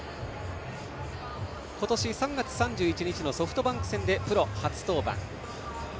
今年３月３１日のソフトバンク戦でプロ初登板。